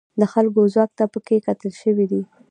د خلکو ځواک ته پکې کتل شوي دي.